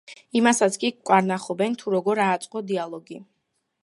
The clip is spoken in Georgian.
იმასაც კი გკარნახობენ, თუ როგორ ააწყო დიალოგი.